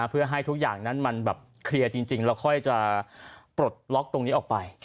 เพื่อให้ทุกอย่างนั้นมันแบบเคลียร์จริงแล้วค่อยจะปลดล็อกตรงนี้ออกไป